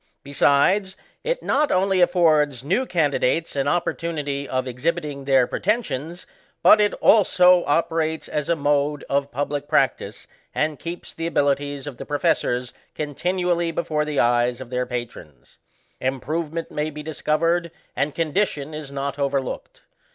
Besides, it not only affords new candidates an opportunity of exhibiting their pretensions^ but it also operates as a mode of public practice, and keeps the abilities of the professors continually before the eyes of their pa irons. Improvement may be discovered, and condi tion is not overlooked.